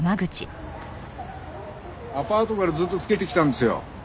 アパートからずっとつけてきたんですよ。